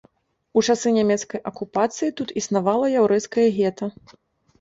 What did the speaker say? У часы нямецкай акупацыі тут існавала яўрэйскае гета.